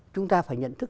chúng ta phải nhận thức